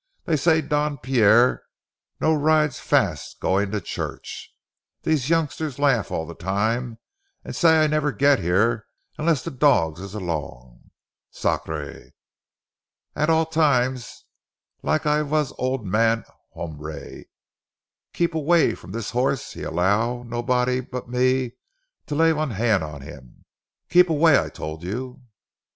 Dey say Don Pierre no ride fas' goin' to church. Dese youngsters laff all time and say I never get here unless de dogs is 'long. Sacré! Act all time lak I vas von ol' man. Humbre, keep away from dis horse; he allow nobody but me to lay von han' on him—keep away, I tol' you!"